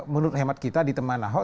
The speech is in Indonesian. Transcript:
menurut hemat kita di teman ahok